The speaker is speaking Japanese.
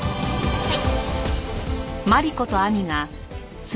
はい。